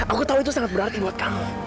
aku tahu itu sangat berarti buat kami